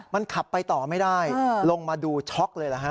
มันขับไปต่อไม่ได้ลงมาดูช็อกเลยนะฮะ